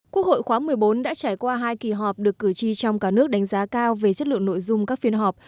quốc hội khóa một mươi bốn đã trải qua hai kỳ họp được cử tri trong cả nước đánh giá cao về chất lượng nội dung các phiên họp